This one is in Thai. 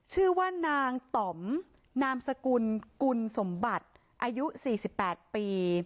ชื่อว่านางต่อมนามสกุลกุลสมบัติอายุ๔๘ปี